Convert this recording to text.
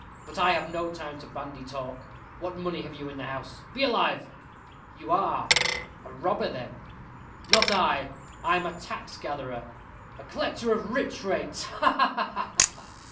But I have no time to bandy talk. What money have you in the house? Be alive." "You are a robber, then?" "Not I. I'm a tax gatherer a collector of Rich Rates ha, ha!